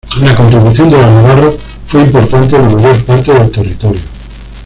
La contribución de los navarros fue importante en la mayor parte del territorio.